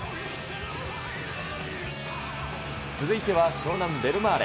続いては湘南ベルマーレ。